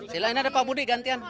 silahkan ada pak budi gantian